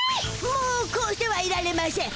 もうこうしてはいられましぇん！